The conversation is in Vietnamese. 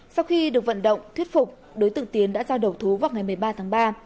sau khi được vận động thuyết phục đối tượng tiến đã ra đầu thú vào ngày một mươi ba tháng ba